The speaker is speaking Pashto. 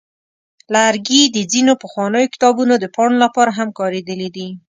لرګي د ځینو پخوانیو کتابونو د پاڼو لپاره هم کارېدلي دي.